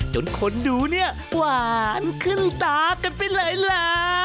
จนคนดูเนี่ยหวานขึ้นตากันไปเลยล่ะ